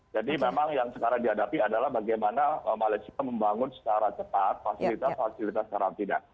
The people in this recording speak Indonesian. jadi memang yang sekarang dihadapi adalah bagaimana malaysia membangun secara cepat fasilitas fasilitas karantina